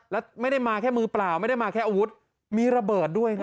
แล้วไม่ได้มาแค่มือเปล่าไม่ได้มาแค่อาวุธมีระเบิดด้วยนะ